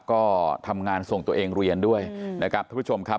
ก็ทำงานส่งตัวเองเรียนด้วยนะครับท่านผู้ชมครับ